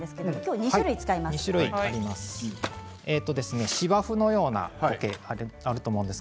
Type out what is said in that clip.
２種類使います。